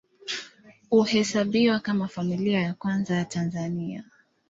Huhesabiwa kama Familia ya Kwanza ya Tanzania.